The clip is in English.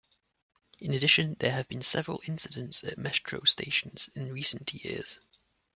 In addition, there have been several incidents at metro stations in recent years.